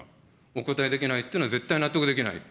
お答えできないというのは絶対納得できない。